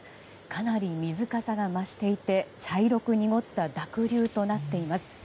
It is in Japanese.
かなり水かさが増していて茶色く濁った濁流となっています。